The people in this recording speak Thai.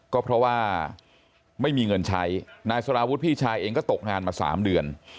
ก็เพราะว่าไม่มีเงินใช้นายสารวุฒิพี่ชายเองก็ตกงานมา๓เดือน